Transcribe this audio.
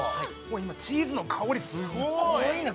今、チーズの香りすごいね。